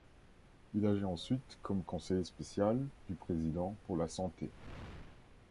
Il agit ensuite comme conseiller spécial du président pour la santé.